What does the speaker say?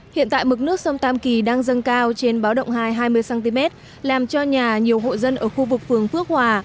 hiện tại mực nước sông tam kỳ đang dâng cao trên báo động hai hai mươi cm làm cho nhà nhiều hộ dân ở khu vực phường phước hòa